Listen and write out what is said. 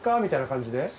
みたいな感じで？